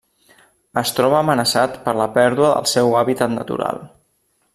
Es troba amenaçat per la pèrdua del seu hàbitat natural.